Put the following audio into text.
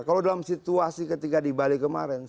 kalau dalam situasi ketika di bali kemarin